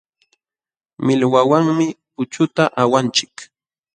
Millwawanmi punchuta awanchik.